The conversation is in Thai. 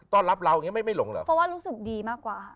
ต้อนรับเราไม่หลงเหรอเพราะว่ารู้สึกดีมากกว่า